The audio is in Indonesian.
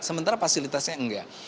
sementara fasilitasnya enggak